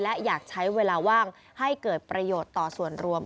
และอยากใช้เวลาว่างให้เกิดประโยชน์ต่อส่วนรวม